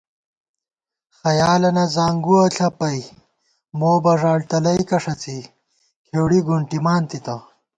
خیالَنہ زانگُوَہ ݪَپَئ مو بݫاڑ تلَئیکہ ݭڅی کھېؤڑی گُونٹِمان تِتہ